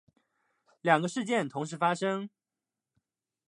两个事件同时发生